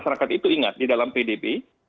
masyarakat itu ingat di dalam pdb